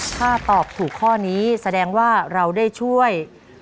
ถ้าตอบถูกข้อนี้แสดงว่าเราได้ช่วย